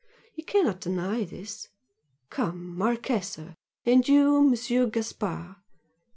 You cannot deny this! Come, Marchese! and you, Monsieur Gaspard!